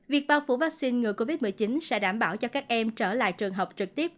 việc bao phủ vaccine ngừa covid một mươi chín sẽ đảm bảo cho các em trở lại trường học trực tiếp